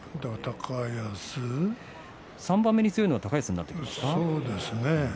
３番目に強いのは高安になってきますね。